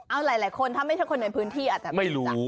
เอาหลายคนถ้าไม่ใช่คนในพื้นที่อาจจะไม่รู้